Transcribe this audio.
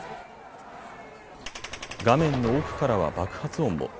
画面の奥からは爆発音も。